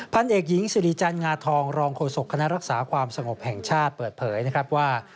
พันเอกหญิงสิริจันทร์งาทองรองโฆษกคณะรักษาความสงบแห่งชาติเปิดเผยนะครับว่า